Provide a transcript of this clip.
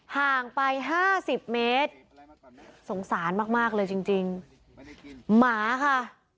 ห่างไปห้าสิบเมตรสงสารมากมากเลยจริงจริงหมาค่ะ